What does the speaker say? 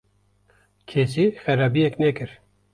- Kesî xerabiyek nekir.